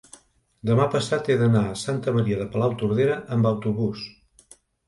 demà passat he d'anar a Santa Maria de Palautordera amb autobús.